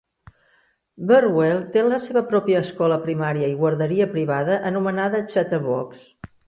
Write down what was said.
Birdwell té la seva pròpia escola primària i guarderia privada anomenada Chatterbox.